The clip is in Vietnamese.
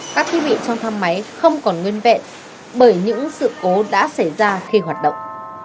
các thí vị trong thăm máy không còn nguyên vẹn bởi những sự cố đã xảy ra khi hoạt động